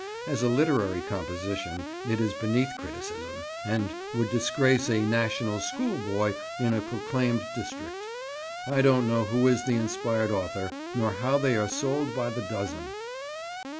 As a literary composition it is beneath criticism, and would disgrace a "National School" boy in a proclaimed district. I don't know who is the inspired author, nor how they are sold by the dozen.